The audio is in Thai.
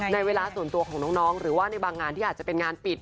เวลาส่วนตัวของน้องหรือว่าในบางงานที่อาจจะเป็นงานปิด